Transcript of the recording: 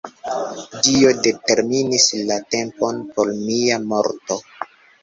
Dio determinis la tempon por mia morto.